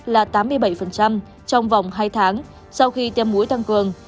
là tám mươi bảy trong vòng hai tháng sau khi tiêm mũi tăng cường